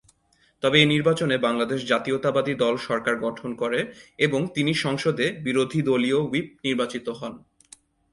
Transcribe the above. তবে এ নির্বাচনে বাংলাদেশ জাতীয়তাবাদী দল সরকার গঠন করে এবং তিনি সংসদে বিরোধীদলীয় হুইপ নির্বাচিত হন।